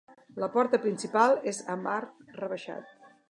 La porta principal és amb arc rebaixat.